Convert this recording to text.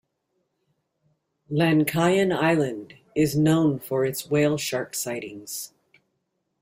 Lankayan Island is known for its whale shark sightings.